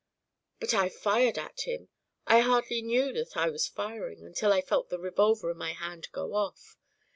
"But I fired at him. I hardly knew that I was firing, until I felt the revolver in my hand go off.